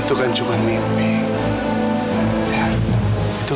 itu gak mungkin kejadian